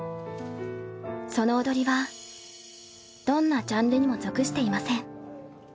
その踊りはどんなジャンルにも属していません。